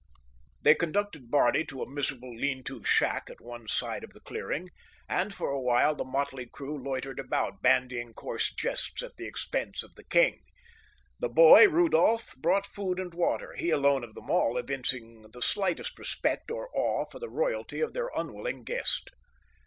They conducted Barney to a miserable lean to shack at one side of the clearing, and for a while the motley crew loitered about bandying coarse jests at the expense of the "king." The boy, Rudolph, brought food and water, he alone of them all evincing the slightest respect or awe for the royalty of their unwilling guest.